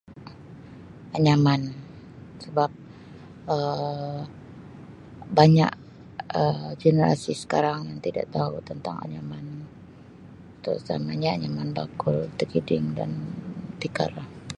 Anyaman sebab Um banyak Um generasi sekarang tidak tau tentang anyaman terutamanya anyaman bakul takiding dan tikar.